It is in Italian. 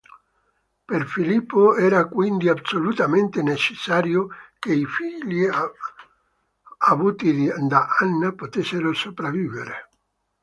Per Filippo era quindi assolutamente necessario che i figli avuti da Anna potessero sopravvivere.